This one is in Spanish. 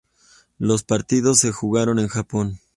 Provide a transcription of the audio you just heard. Los partidos se jugaron en Japón.